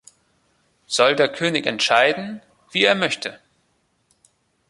Soll der König entscheiden, wie er möchte".